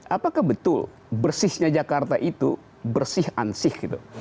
apakah betul bersihnya jakarta itu bersih ansih gitu